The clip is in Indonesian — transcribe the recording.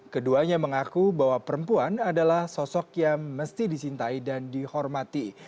keduanya mengaku bahwa perempuan adalah sosok yang mesti disintai dan dihormati